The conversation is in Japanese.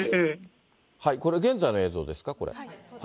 これ、現在の映像ですか？